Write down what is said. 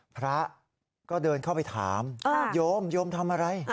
พระก็เดินเข้าไปถามโยมโยมทำอะไร